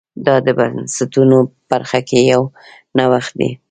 دا د بنسټونو په برخه کې یو نوښت دی.